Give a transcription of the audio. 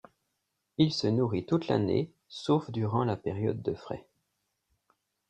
Il se nourrit toute l'année, sauf durant la période de frai.